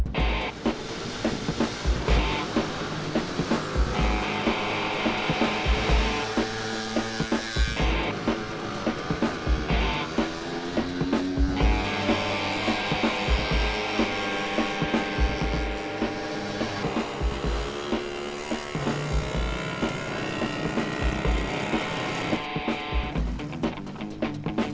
mau pakai bensinnya abis